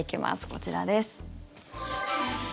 こちらです。